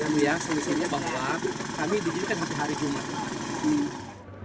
yang biasa misalnya bahwa kami dijadikan hari jumat